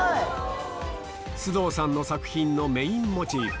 ＳＵＤＯさんの作品のメインモチーフ